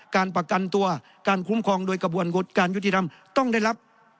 การประกันตัวการคุ้มครองโดยกระบวนการยุติธรรมต้องได้รับ